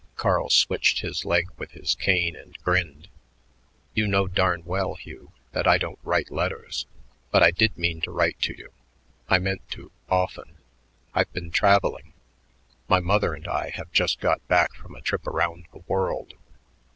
Carl switched his leg with his cane and grinned. "You know darn well, Hugh, that I don't write letters, but I did mean to write to you; I meant to often. I've been traveling. My mother and I have just got back from a trip around the world.